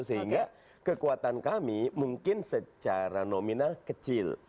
sehingga kekuatan kami mungkin secara nominal kecil